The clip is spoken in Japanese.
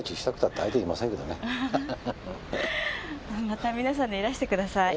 また皆さんでいらしてください。